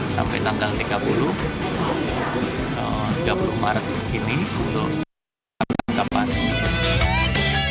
sampai tanggal tiga puluh maret ini untuk menangkap liga dua